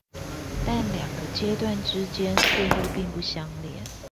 但兩個階段之間似乎並不相連